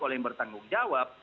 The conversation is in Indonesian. oleh yang bertanggung jawab